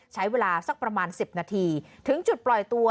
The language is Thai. ใช้เวลาสักประมาณ๑๐นาทีถึงจุดปล่อยตัว